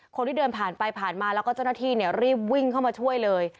คนที่เดินผ่านไปผ่านมาแล้วก็เจ้าหน้าที่รีบวิ่งเข้ามาช่วยเลย